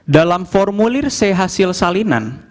dalam formulir c hasil salinan